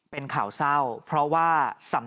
เป็นข่าวเศร้าเพราะว่า